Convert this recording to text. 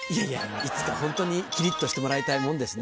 いつかホントにキリっとしてもらいたいもんですね。